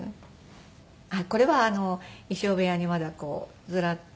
これは衣装部屋にまだこうズラッと。